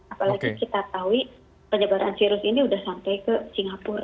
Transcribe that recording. apalagi kita tahu penyebaran virus ini sudah sampai ke singapura